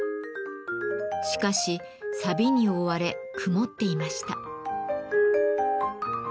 しかしさびに覆われ曇っていました。